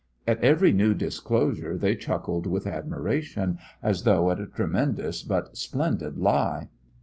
At every new disclosure they chuckled with admiration, as though at a tremendous but splendid lie.